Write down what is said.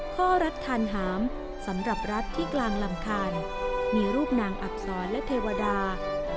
ข้อรัฐคานหามสำหรับรัฐที่กลางลำคาญมีรูปนางอักษรและเทวดา